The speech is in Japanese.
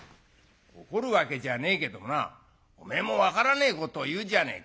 「怒るわけじゃねえけどもなおめえも分からねえことを言うじゃねえか。